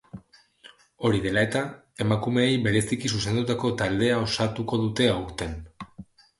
Hori dela eta, emakumeei bereziki zuzendutako taldea osatuko dute aurten.